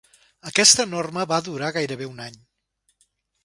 Aquesta norma va durar gairebé un any.